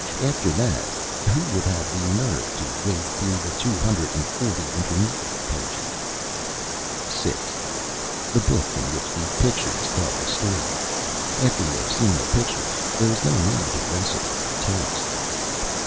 After that, who would have the Nerve to wade through the Two Hundred and Forty intermediate Pages? [Illustration: ALL A MOCKERY] 6. The Book in which the Pictures tell the Story. After you have seen the Pictures there is no need to wrestle with the Text.